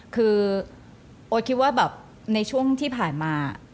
คือโอ๊ตคิดว่าแบบในช่วงที่ผ่านมา